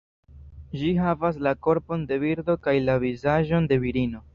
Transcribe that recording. Ĝi havas la korpon de birdo kaj la vizaĝon de virino.